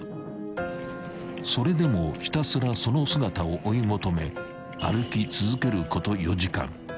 ［それでもひたすらその姿を追い求め歩き続けること４時間］